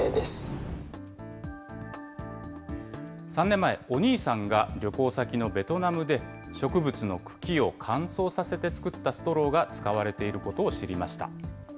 ３年前、お兄さんが旅行先のベトナムで、植物の茎を乾燥させて作ったストローが使われていることを知りました。